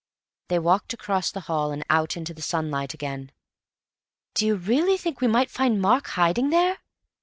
They walked across the hall and out into the sunlight again. "Do you really think we might find Mark hiding there?"